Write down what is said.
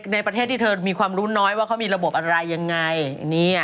ในประเทศที่เธอมีความรู้น้อยว่าเขามีระบบอะไรยังไง